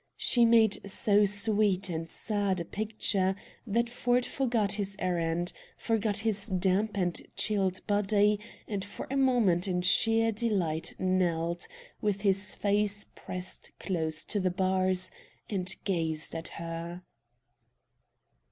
She made so sweet and sad a picture that Ford forgot his errand, forgot his damp and chilled body, and for a moment in sheer delight knelt, with his face pressed close to the bars, and gazed at her.